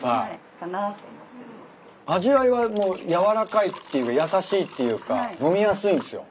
味わいはもう柔らかいっていうか優しいっていうか飲みやすいんすよ。